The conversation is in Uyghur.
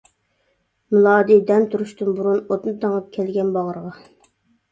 مىلادى دەم تۇرۇشتىن بۇرۇن، ئوتنى تېڭىپ كەلگەن باغرىغا.